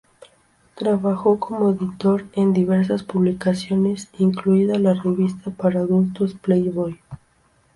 Trabajó como editor en diversas publicaciones, incluida la revista para adultos Playboy.